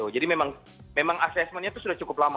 jadi memang assessmentnya itu sudah cukup lama